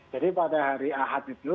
jadi pada hari ahad